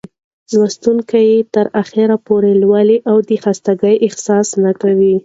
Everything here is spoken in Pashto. لوستونکى يې تر اخره پورې لولي او د خستګۍ احساس نه کوي.